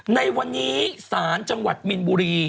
ในวันนี้ศาลจังหวัดมินบุรี